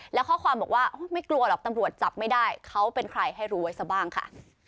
แล้วข้อความบอกว่าไม่กลัวหรอกตำรวจจับไม่ได้เขาเป็นใครให้รู้ไว้ซะบ้างค่ะ